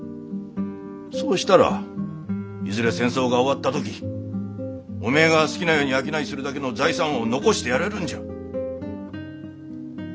そうしたらいずれ戦争が終わった時おめえが好きなように商いするだけの財産を残してやれるんじゃ。